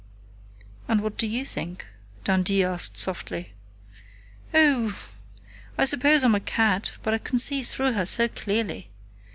"And what do you think?" Dundee asked softly. "Oh I suppose I'm a cat, but I can see through her so clearly.